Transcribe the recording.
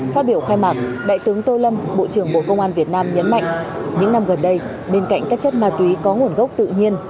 phát biểu khai mạc đại tướng tô lâm bộ trưởng bộ công an việt nam nhấn mạnh những năm gần đây bên cạnh các chất ma túy có nguồn gốc tự nhiên